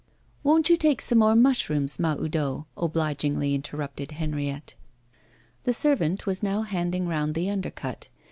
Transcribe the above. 'Won't you take some more mushrooms, Mahoudeau?' obligingly interrupted Henriette. The servant was now handing round the undercut.